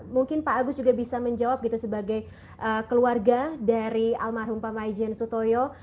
mungkin pak agus juga bisa menjawab gitu sebagai keluarga dari almarhum pak maijen sutoyo